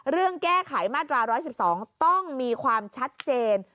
เรื่องแก้ไขมาตรา๑๑๒ต้องมีความชัดเจน